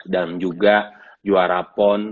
dan juga juara pon